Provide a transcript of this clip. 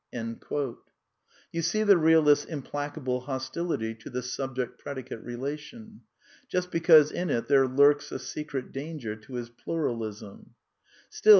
You see the realist's implacable hostility to the subject predicate relation? Just because in it there lurks a secret danger to his Pluralism.